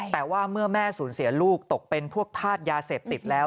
แต่ว่าเมื่อแม่สูญเสียลูกตกเป็นพวกธาตุยาเสพติดแล้ว